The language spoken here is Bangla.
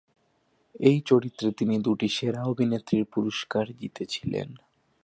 এই চরিত্রে তিনি দুটি সেরা অভিনেত্রীর পুরস্কার জিতেছিলেন।